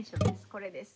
これです。